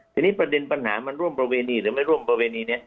ทีนี้ประเด็นปัญหามันร่วมประเวณีหรือไม่ร่วมประเวณีนี้